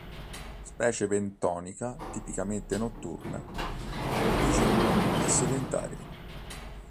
Specie bentonica tipicamente notturna; di giorno è sedentario.